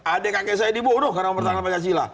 adik kakek saya dibunuh karena mempertahankan pancasila